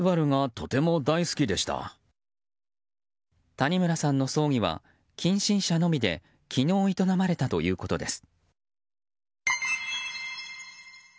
谷村さんの葬儀は近親者のみで昨日、営まれたということです。